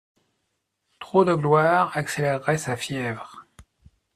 Trop de gloire accélérait sa fièvre.